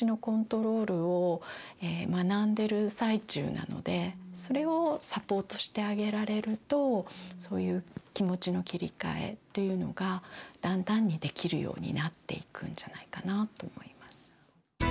子どもはそれをサポートしてあげられるとそういう気持ちの切り替えというのがだんだんにできるようになっていくんじゃないかなと思います。